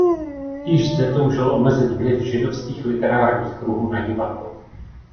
Již zde toužil omezit vliv židovských literárních kruhů na divadlo.